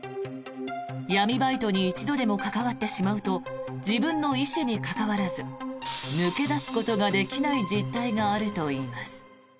闇バイトに一度でも関わってしまうと自分の意思に関わらず抜け出すことができない実態があるといいます。